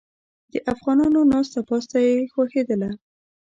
د افغانانو ناسته پاسته یې خوښیدله.